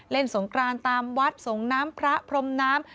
สงกรานตามวัดส่งน้ำพระพรมน้ำ